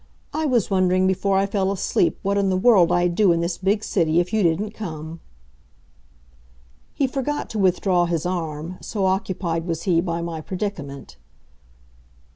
I was wondering, before I fell asleep, what in the world I'd do in this big city if you didn't come." He forgot to withdraw his arm, so occupied was he by my predicament.